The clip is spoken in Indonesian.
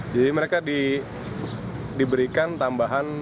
jadi mereka diberikan tambahan